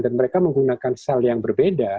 dan mereka menggunakan sel yang berbeda